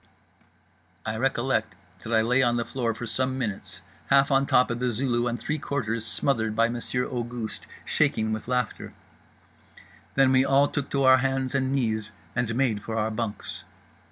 I recollect that I lay on the floor for some minutes, half on top of The Zulu and three quarters smothered by Monsieur Auguste, shaking with laughter…. Then we all took to our hands and knees, and made for our bunks.